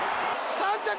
３着！